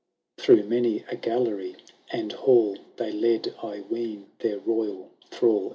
'* Through many a gallery and hall They led, I ween, their royal thrall